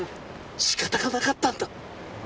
仕方がなかったんだ！